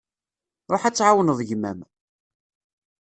Ruḥ ad tεawneḍ gma-m.